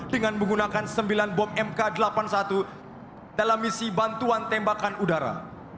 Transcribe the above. dengan menggunakan sembilan bom mk delapan puluh satu dalam misi bantuan tembakan udara